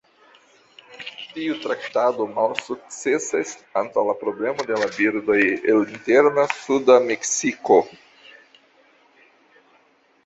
Tiu traktado malsukcesas antaŭ la problemo de la birdoj el interna suda Meksiko.